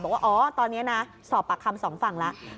บอกว่าอ๋อตอนนี้นะสอบปากคำสองฝั่งแล้ว